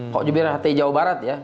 kok dibilang hti jawa barat ya